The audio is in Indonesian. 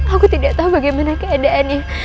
aku tidak tahu bagaimana keadaannya